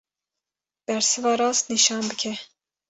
Bersiva rast nîşan bike.